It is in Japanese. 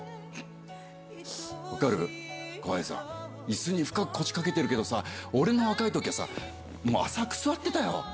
椅子に深く腰掛けてるけどさ俺の若い時は浅く座ってたよ。